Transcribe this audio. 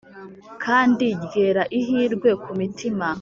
kandi ryera ihirwe ku mitima.